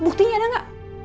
buktinya ada ga